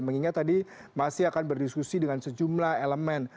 mengingat tadi masih akan berdiskusi dengan sejumlah elemen